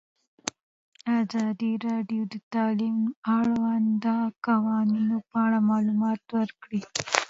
ازادي راډیو د تعلیم د اړونده قوانینو په اړه معلومات ورکړي.